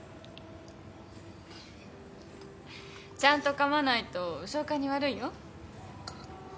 ちゃんとかまないと消化に悪いよ。